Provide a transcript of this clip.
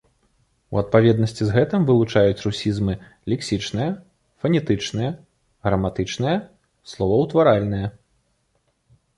У адпаведнасці з гэтым вылучаюць русізмы лексічныя, фанетычныя, граматычныя, словаўтваральныя.